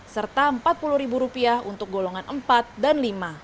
serta rp empat puluh untuk golongan empat dan lima